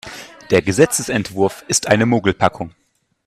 Der Gesetzesentwurf ist eine Mogelpackung.